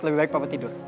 lebih baik papa tidur